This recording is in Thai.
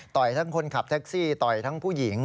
ทั้งคนขับแท็กซี่ต่อยทั้งผู้หญิง